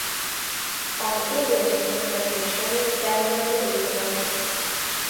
On Ewing's recommendation, ten were released in August.